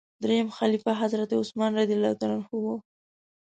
دریم خلیفه حضرت عثمان رض و.